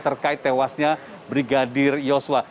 terkait tewasnya brigadir yosua